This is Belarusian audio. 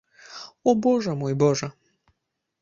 О, божа мой, божа!